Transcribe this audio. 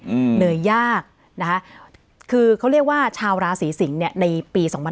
เหนื่อยยากนะคะคือเขาเรียกว่าชาวราศีสิงศ์เนี่ยในปีสองพัน